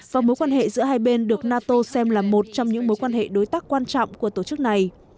và mối quan hệ giữa hai bên được nato xem là một trong những mối quan hệ đối tác quan trọng của tổ chức này